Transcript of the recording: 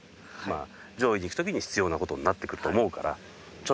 上位にいくときに必要なことになってくると思うから。